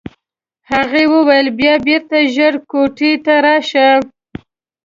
هغه یې وویل بیا بېرته ژر کوټې ته راشه.